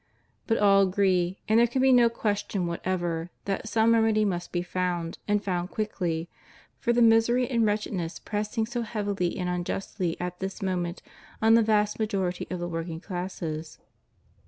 But all agree, and there can be no question whatever, that some remedy must be found, and found quickly, for the misery and wretchedness pressing so heavily and unjustly at this moment on the vast majority of the work ing classes.